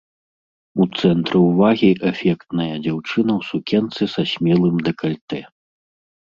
У цэнтры ўвагі эфектная дзяўчына ў сукенцы са смелым дэкальтэ.